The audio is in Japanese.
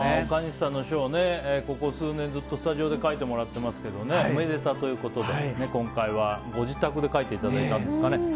岡西さんの書はここ数年ずっとスタジオで書いてもらってますけどおめでたということで今回はご自宅で書いていただいたんですかね。